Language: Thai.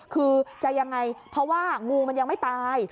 คือจะยังไงเพราะว่างูมันยังไม่ตาย